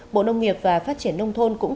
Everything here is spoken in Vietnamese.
bộ nông nghiệp và phát triển nông thôn cũng